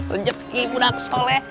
rejeki budak soleh